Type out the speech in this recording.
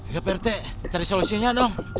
ya pak rt cari solusinya dong